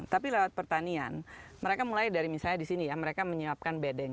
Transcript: tapi lewat pertanian mereka mulai dari misalnya di sini ya mereka menyiapkan bedeng